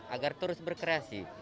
agar terus berkreasi